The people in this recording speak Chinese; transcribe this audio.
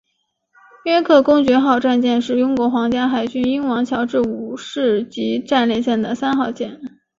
约克公爵号战舰是英国皇家海军英王乔治五世级战列舰的三号舰。